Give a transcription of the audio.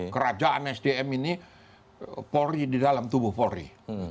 kerajaan sdm ini polri di dalam tubuh polri